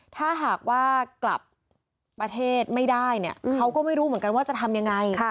ถ้าหากว่ากลับประเทศไม่ได้เนี่ยเขาก็ไม่รู้เหมือนกันว่าจะทำยังไง